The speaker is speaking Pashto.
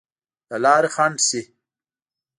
د لارې خنډ شي.